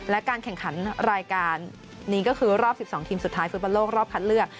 และการแข่งขันรายการนี้ก็คือรอบ๑๒ทีมสุดท้ายฟุตบอลโลกรอบคัดเลือก